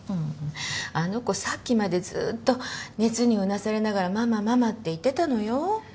あの子さっきまでずっと熱にうなされながら「ママママ」って言ってたのよ。